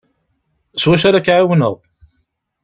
S wacu ara k-ɛiwneɣ?